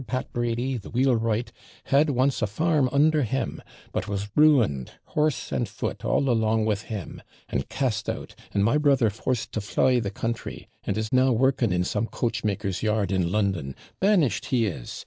Pat Brady, the wheelwright, had once a farm under him; but was ruined, horse and foot, all along with him, and cast out, and my brother forced to fly the country, and is now working in some coachmaker's yard, in London; banished he is!